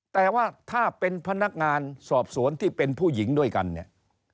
แต่ว่าถ้าเป็นพนักงานสอบสวนที่เป็นผู้หญิงด้วยกันเนี่ย